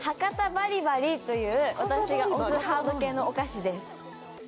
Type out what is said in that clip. バリバリという私が推すハード系のお菓子です。